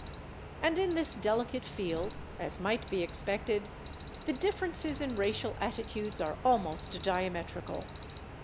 And in this delicate field, as might be expected, the differences in racial attitudes are almost diametrical.